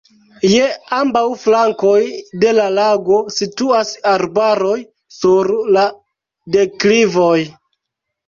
Je ambaŭ flankoj de la lago situas arbaroj sur la deklivoj.